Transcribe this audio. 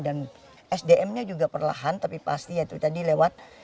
dan sdm nya juga perlahan tapi pasti ya itu tadi lewat